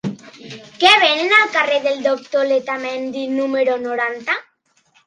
Què venen al carrer del Doctor Letamendi número noranta?